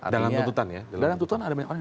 dalam tuntutan ya dalam tuntutan ada banyak orang